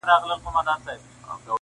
هر څوک له بل څخه لرې او جلا ښکاري,